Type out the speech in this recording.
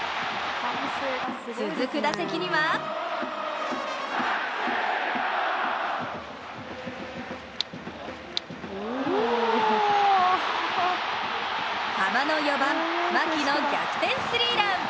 続く打席にはハマの４番、牧の逆転スリーラン。